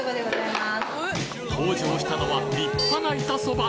登場したのは立派な板そば！